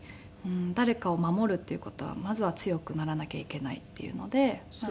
誰かを守るっていう事はまずは強くならなきゃいけないっていうので。